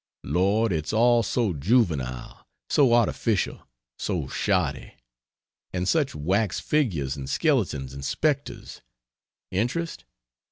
Lord, it's all so juvenile! so artificial, so shoddy; and such wax figures and skeletons and spectres. Interest?